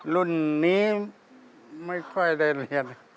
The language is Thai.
รุ่นนี้ไม่ค่อยได้เรียน